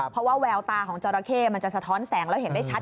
เพราะว่าแววตาของจราเข้มันจะสะท้อนแสงแล้วเห็นได้ชัด